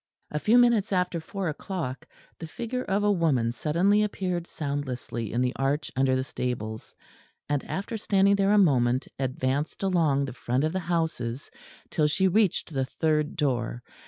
A few minutes after four o'clock the figure of a woman suddenly appeared soundlessly in the arch under the stables; and after standing there a moment advanced along the front of the houses till she reached the third door.